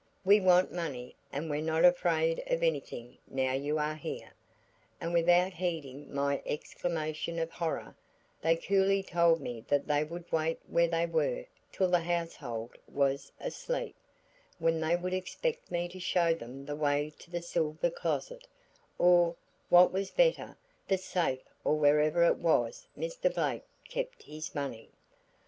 'We want money and we're not afraid of anything now you are here.' And without heeding my exclamation of horror, they coolly told me that they would wait where they were till the household was asleep, when they would expect me to show them the way to the silver closet or what was better, the safe or wherever it was Mr. Blake kept his money.